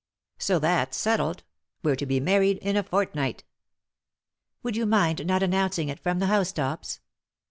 So that's settled ; we're to be married in a fortnight." "Would you mind not announcing it from the housetops